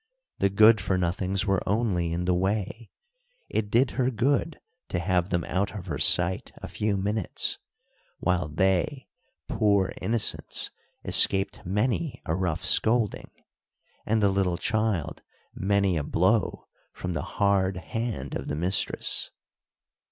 "The Good for Nothings" were only in the way; it did her good to have them out of her sight a few minutes; while they, poor innocents, escaped many a rough scolding, and the little child many a blow from the hard hand of the mistress.